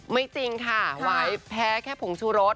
ไม่จริงค่ะหวายแพ้แค่ผงชุรส